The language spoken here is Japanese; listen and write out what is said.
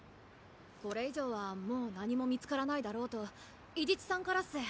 これ以上はもう何も見つからないだろうと伊地知さんからっす。